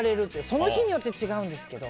その日によって違うんですけど。